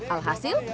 alhasil mereka berdua